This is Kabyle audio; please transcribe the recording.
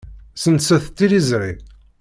Ssenset tiliẓri.